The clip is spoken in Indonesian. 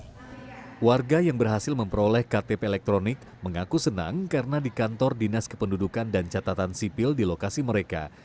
ketua ktp yang memperoleh ktp elektronik mengaku senang karena di kantor dinas keperudukan dan catatan sipil di lokasi mereka